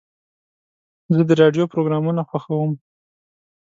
زه د راډیو پروګرامونه خوښوم.